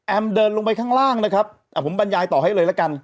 เดินลงไปข้างล่างนะครับผมบรรยายต่อให้เลยละกัน